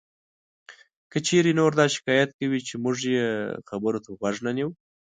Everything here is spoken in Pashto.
که چېرې نور دا شکایت کوي چې مونږ یې خبرو ته غوږ نه یو